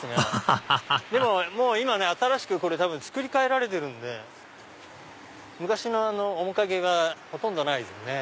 ハハハハでももう今新しく造り替えられてるんで昔の面影がほとんどないですね。